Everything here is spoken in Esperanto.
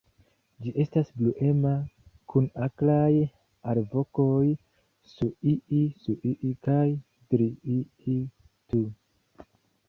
Ĝi estas bruema, kun akraj alvokoj "sŭii-sŭii" kaj "driii-tu".